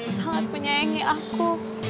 sangat menyayangi aku